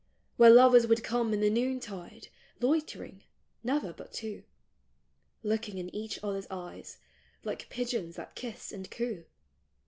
" Where lovers would come in the noontide, loiter ing — never but two, Looking in each other's eyes, like pigeons that kiss and coo.